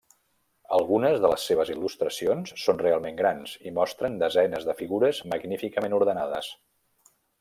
Algunes de les seves il·lustracions són realment grans i mostren desenes de figures magníficament ordenades.